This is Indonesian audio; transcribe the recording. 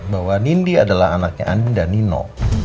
bahwa nindi adalah anaknya andi dan nino